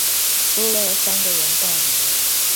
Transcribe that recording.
多了三個人報名